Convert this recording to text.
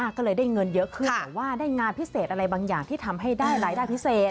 ก็เลยได้เงินเยอะขึ้นหรือว่าได้งานพิเศษอะไรบางอย่างที่ทำให้ได้รายได้พิเศษ